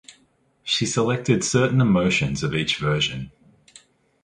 She selected certain emotions of each version.